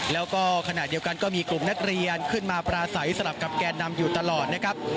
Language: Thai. แล้วก็ขณะเดียวกันก็มีกลุ่มนักเรียนขึ้นมาปราศัยสลับกับแกนนำอยู่ตลอดนะครับ